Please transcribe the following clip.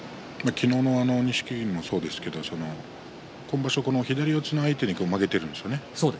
昨日の錦木にもそうですけれども今場所、左四つの相手に負けてるんですよね。